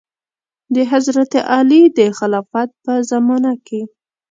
د حضرت علي د خلافت په زمانه کې.